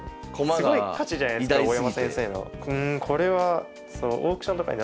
すごい価値じゃないすか大山先生の。